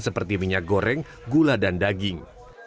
seperti minyak goreng gula dan daging